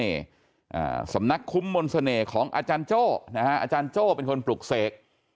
อ่าสำนักคุ้มมนต์เสน่ห์ของอาจารย์โจ้นะฮะอาจารย์โจ้เป็นคนปลุกเสก